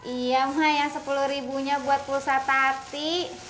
iya mah yang sepuluh ribunya buat pulsa tati